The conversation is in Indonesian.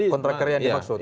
kontrak karya yang dimaksud